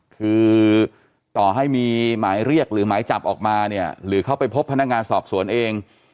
คือต่อให้มีหมายเรียกหรือหมายจับออกมาเนี่ยหรือเขาไปพบพนักงานสอบสวนเอง